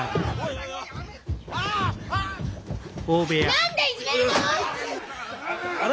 何でいじめるの！？